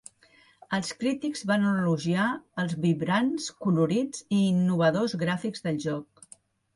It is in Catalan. Els crítics van elogiar els vibrants, colorits i "innovadors" gràfics del joc.